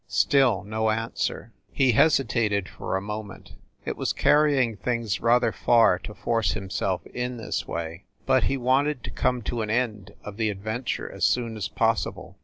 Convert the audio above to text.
Still no answer. He hesitated for a moment. It was carrying things rather far to force himself in, this way, but he wanted to come to an end of the adventure as soon as possible.